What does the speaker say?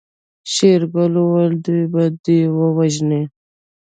شېرګل وويل دوی به دې ووژني.